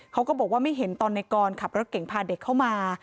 เขาก็บอกว่าไม่เห็นตอนในกรขับรถเก่งพาเด็กเข้ามา